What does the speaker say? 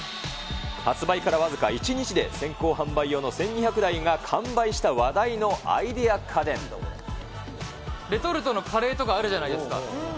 発売から僅か１日で先行販売用の１２００台が完売した話題のレトルトのカレーとかあるじゃないですか。